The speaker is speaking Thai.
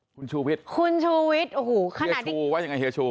คุณชูวิทย์โอ้โหขนาดที่เฮียชูไว้อย่างไรเฮียชู